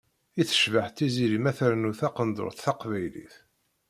I tecbeḥ Tiziri ma ternu taqendurt taqbaylit.